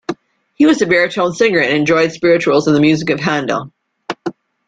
He was a baritone singer and enjoyed spirituals and the music of Handel.